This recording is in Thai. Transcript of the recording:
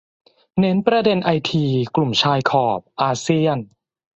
เน้นประเด็นไอที-กลุ่มชายขอบ-อาเซียน